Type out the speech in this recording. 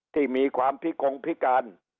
ที่มีความพิกงพิการ